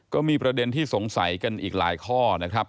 ก็มีประเด็นที่สงสัยกันอีกหลายข้อนะครับ